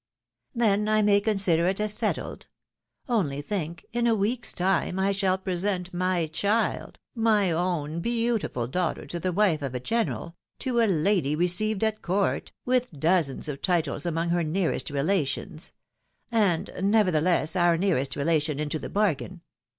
"Then I may consider it as settled? Only think! in a week's time I shaU present my child, my own beautiful daugh ,ter, to the wife of a general ! to a lady received at court ! with dozens of titles among her nearest relations ; and, nevertheless, our nearest relation into the bargain.